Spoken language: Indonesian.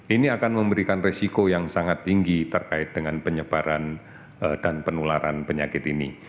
ini akan memberikan resiko yang sangat tinggi terkait dengan penyebaran dan penularan penyakit ini